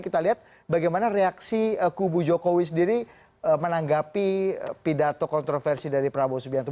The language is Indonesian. kita lihat bagaimana reaksi kubu jokowi sendiri menanggapi pidato kontroversi dari prabowo subianto